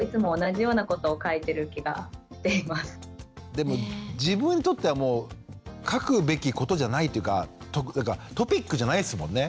でも自分にとってはもう書くべきことじゃないというかトピックじゃないですもんね。